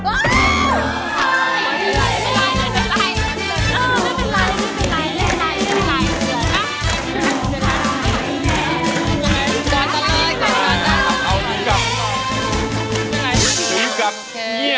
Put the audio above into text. ไม่เป็นไร